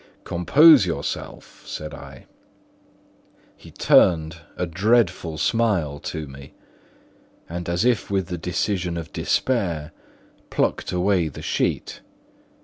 "Compose yourself," said I. He turned a dreadful smile to me, and as if with the decision of despair, plucked away the sheet.